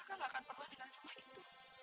kakak nggak akan pernah itu